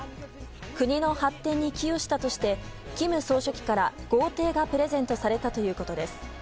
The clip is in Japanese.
国の発展に寄与したとして金総書記から豪邸がプレゼントされたということです。